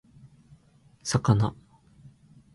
魚